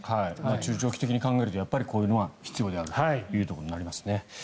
中長期的に考えるとやっぱりこういうのは必要であるというところになりますね。